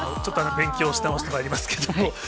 勉強し直してまいりますけれども。